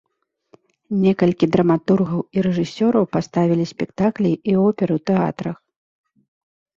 Некалькі драматургаў і рэжысёраў паставілі спектаклі і оперы ў тэатрах.